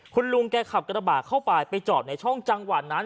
คุณลุงแกขับกระบะเข้าไปไปจอดในช่องจังหวะนั้น